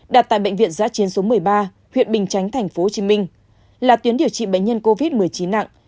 đặt tại bệnh viện giã chiến số một mươi ba huyện bình chánh tp hcm là tuyến điều trị bệnh nhân covid một mươi chín nặng